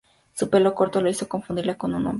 Su pelo corto le hizo confundirla con un hombre.